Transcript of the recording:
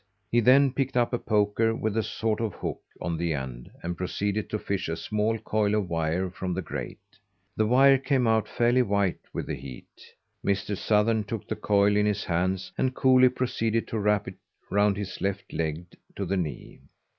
He then picked up a poker with a sort of hook on the end, and proceeded to fish a small coil of wire from the grate. The wire came out fairly white with the heat. Mr. Sothern took the coil in his hands and cooly proceeded to wrap it round his left leg to the knee.